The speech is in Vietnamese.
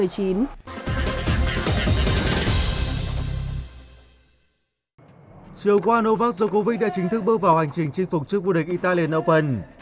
chiều qua novak djokovic đã chính thức bước vào hành trình chinh phục trước vua địch italian open